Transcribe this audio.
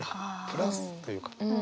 プラスというか。